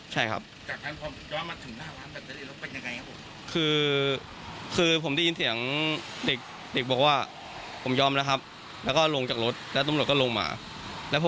จากนั้นพ่อมอยน่ามาถึงหน้า